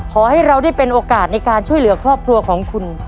ขอให้เราได้เป็นโอกาสในการช่วยเหลือครอบครัวของคุณ